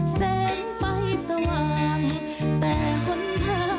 แสงไฟสว่างแต่ห้นทาง